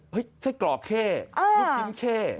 เฮ่ยเส้นกรอบเข้เนื้อชิ้นเข้